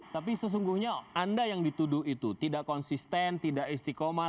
tapi sesungguhnya anda yang dituduh itu tidak konsisten tidak istiqomah